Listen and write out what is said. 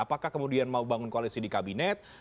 apakah kemudian mau bangun koalisi di kabinet